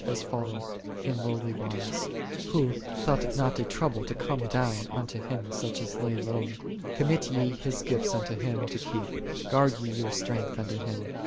437 as follow in lowly wise, Who thought it not a trouble to conn down unto such as lay low. Coin nut ye His gifts unto Him to keep, "guard ye your strength unto Him."